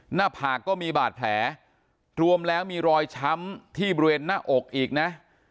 หน้าผากก็มีบาดแผลรวมแล้วมีรอยช้ำที่บริเวณหน้าอกอีกนะ